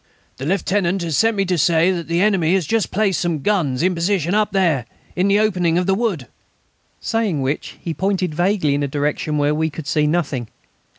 "The Lieutenant has sent me to say that the enemy has just placed some guns in position up there, in the opening of the wood." Saying which, he pointed vaguely in a direction where we could see nothing.